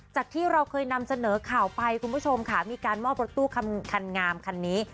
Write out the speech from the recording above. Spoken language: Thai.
ที่เราเคยนำเสนอข่าวไปคุณผู้ชมค่ะมีการมอบรถตู้คันงามคันนี้